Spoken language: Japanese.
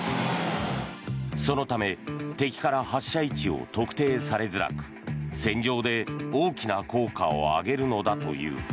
そのため、敵から発射位置を特定されづらく戦場で大きな効果を上げるのだという。